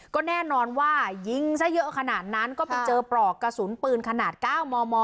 ก็แน่นอนว่ายิงซะเยอะขนาดนั้นก็ไปเจอปลอกกระสุนปืนขนาด๙มม